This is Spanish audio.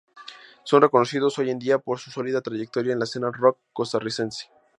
Son reconocidos hoy en día por su sólida trayectoria en la escena rock costarricense.